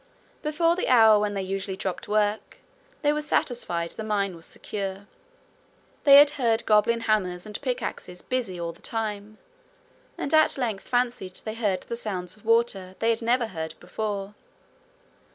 Before the hour when they usually dropped work, they were satisfied the mine was secure. They had heard goblin hammers and pickaxes busy all the time, and at length fancied they heard sounds of water they had never heard before.